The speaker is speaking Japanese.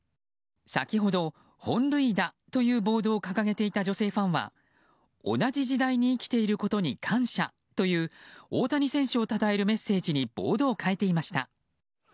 先ほど「本塁打」というボードを掲げていた女性ファンは「同じ時代に生きていることに感謝」という大谷選手をたたえるメッセージにボードを変えていました。